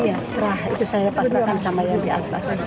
ya itu saya pasrahkan sama yang di atas